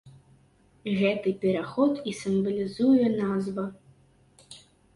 Гэты пераход і сімвалізуе назва.